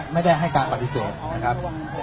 ไม่ได้ให้การปฏิเสธนะครับ